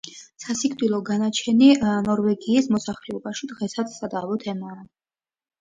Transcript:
სასიკვდილო განაჩენი ნორვეგიის მოსახლეობაში დღესაც სადავო თემაა.